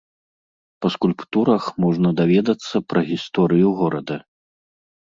Па скульптурах можна даведацца пра гісторыю горада.